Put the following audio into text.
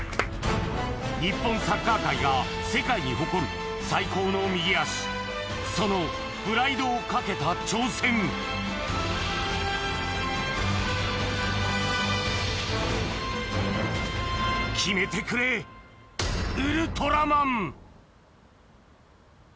日本サッカー界が世界に誇る最高の右足そのプライドを懸けた挑戦決めてくれウルトラマン！